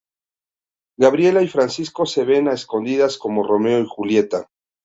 Gabriela y Francisco se ven a escondidas, como Romeo y Julieta.